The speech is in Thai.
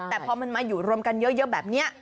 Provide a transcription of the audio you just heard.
แต่พอมันมาอยู่รวมกันเยอะแบบนี้